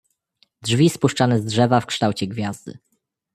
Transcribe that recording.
"Drzwi spuszczane z drzewa w kształcie gwiazdy."